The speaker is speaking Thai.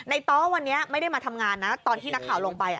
ต้อวันนี้ไม่ได้มาทำงานนะตอนที่นักข่าวลงไป